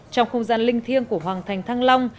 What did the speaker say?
trong không gian linh thiêng của hoàng thành thăng long